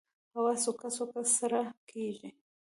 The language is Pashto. هوا سوکه سوکه سړه کېږي